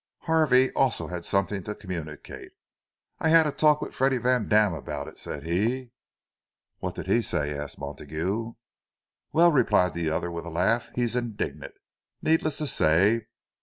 Harvey also had something to communicate. "I had a talk with Freddie Vandam about it," said he. "What did he say?" asked Montague. "Well," replied the other, with a laugh, "he's indignant, needless to say.